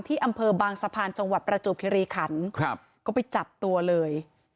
อำเภอบางสะพานจังหวัดประจวบคิริขันครับก็ไปจับตัวเลย